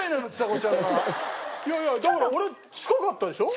いやいやだから俺近かったでしょ？